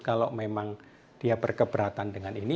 kalau memang dia berkeberatan dengan ini